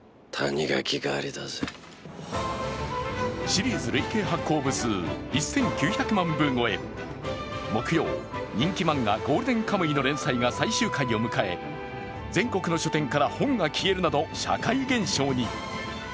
シリーズ累計発行部数１９００万部超え、木曜、人気漫画「ゴールデンカムイ」の連載が最終回を迎え、全国の書店から本が消えるなど社会現象に。